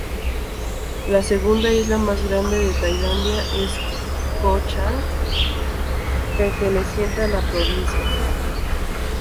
La segunda isla más grande de Tailandia es Ko Chang, perteneciente a la provincia.